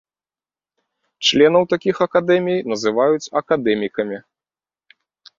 Членаў такіх акадэмій называюць акадэмікамі.